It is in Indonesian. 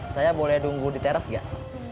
saya boleh nunggu di teras gak